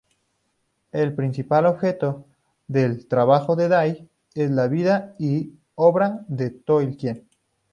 El principal objeto del trabajo de Day es la vida y obra de Tolkien.